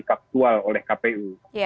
faktual oleh kpu